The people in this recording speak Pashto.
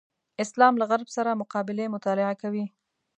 اسلام له غرب سره مقابلې مطالعه کوي.